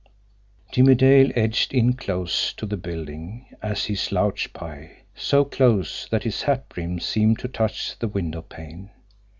Jimmie Dale edged in close to the building as he slouched by, so close that his hat brim seemed to touch the windowpane.